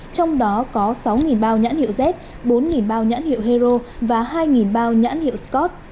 trong đó có sáu bao nhãn hiệu z bốn bao nhãn hiệu hero và hai bao nhãn hiệu scott